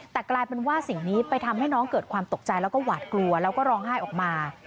แต่กลายเป็นว่าสิ่งนี้ไปทำให้น้องเกิดความตกใจแล้วก็หวาดกลัวแล้วก็ร้องไห้ออกมา